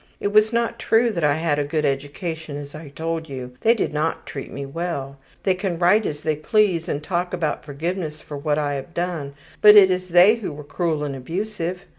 It was not true that I had a good education as I told you. They did not treat me well. They can write as they please and talk about forgiveness for what I have done, but it is they who were cruel and abusive.